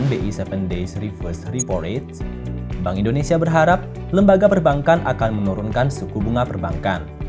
bi tujuh days reverse repo rate bank indonesia berharap lembaga perbankan akan menurunkan suku bunga perbankan